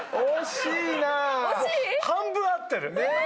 半分合ってる。